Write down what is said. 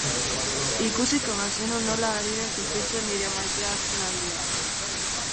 Ikusiko bazenu nola ari den sufritzen nire maitea azken aldian...